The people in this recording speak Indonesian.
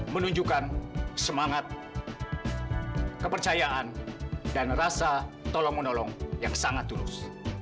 menunjukkan semangat kepercayaan dan rasa tolong menolong yang sangat tulus